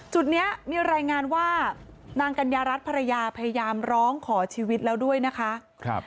จุดนี้มีรายงานว่านางกัญญารัฐภรรยาพยายามร้องขอชีวิตแล้วด้วยนะคะ